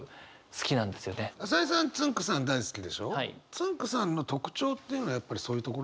つんく♂さんの特徴っていうのはやっぱりそういうところ？